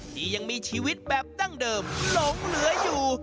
ที่ยังมีชีวิตแบบดั้งเดิมหลงเหลืออยู่